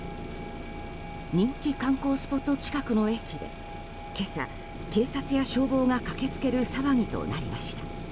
人気観光スポット近くの駅で今朝、警察や消防が駆けつける騒ぎとなりました。